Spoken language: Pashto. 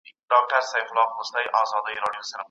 خمار وچاته څه وركوي